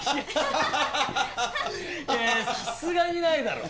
いやいやさすがにないだろ。